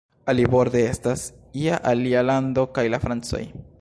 Aliborde estas ja alia lando kaj la Francoj!